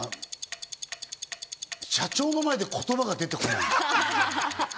社長の前で言葉が出てこない。